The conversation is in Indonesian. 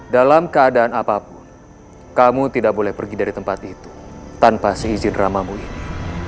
dalam keadaan apapun kamu tidak boleh pergi dari tempat itu tanpa seizin dramamu ini